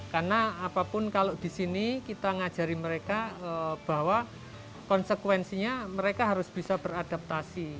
karena apapun kalau di sini kita mengajari mereka bahwa konsekuensinya mereka harus bisa beradaptasi